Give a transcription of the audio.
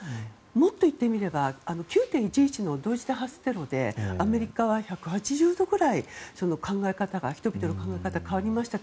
もっと言ってみれば９・１１の同時多発テロでアメリカは１８０度ぐらい人々の考え方が変わりました。